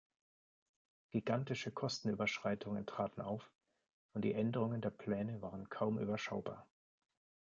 Gigantische Kostenüberschreitungen traten auf und die Änderungen der Pläne waren kaum überschaubar.